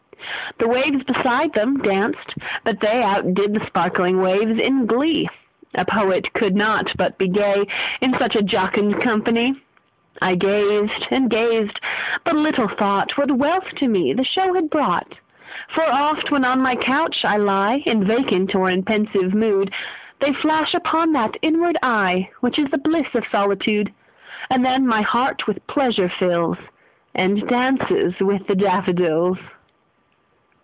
The waves beside them danced; but they Outdid the sparkling waves in glee; A poet could not but be gay, In such a jocund company; I gazed and gazed but little thought What wealth to me the show had brought: For oft, when on my couch I lie In vacant or in pensive mood, They flash upon that inward eye Which is the bliss of solitude; And then my heart with pleasure fills, And dances with the daffodils.